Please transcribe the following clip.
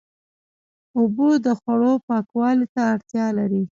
اوبه د خوړو پاکوالي ته اړتیا لري.